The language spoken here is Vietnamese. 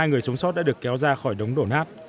năm mươi hai người sống sót đã được kéo ra khỏi đống đổ nát